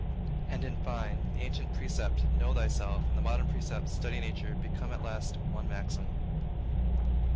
And, in fine, the ancient precept, "Know thyself," and the modern precept, "Study nature," become at last one maxim.